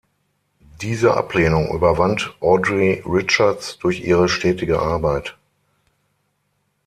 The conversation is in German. Diese Ablehnung überwand Audrey Richards durch ihre stetige Arbeit.